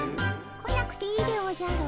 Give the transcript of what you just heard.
来なくていいでおじゃる。